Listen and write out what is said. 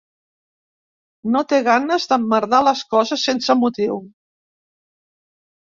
No té ganes d'emmerdar les coses sense motiu.